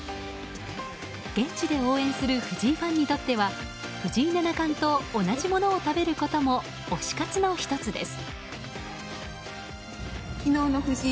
現地で応援する藤井ファンにとっては藤井七冠と同じものを食べることも推し活の１つです。